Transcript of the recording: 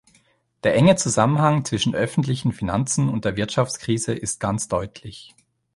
Der enge Zusammenhang zwischen öffentlichen Finanzen und der Wirtschaftskrise ist ganz deutlich.